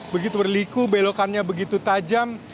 begitu berliku belokannya begitu tajam